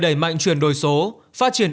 đẩy mạnh truyền đổi số phát triển